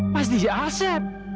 pasti si asep